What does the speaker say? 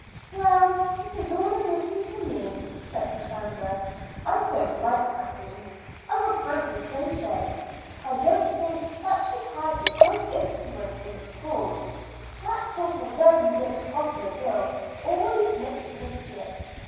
"Well, it is all a mystery to me," said Cassandra. "I don't like Kathleen; I will frankly say so. I don't think she has a good influence in the school. That sort of very rich popular girl always makes mischief.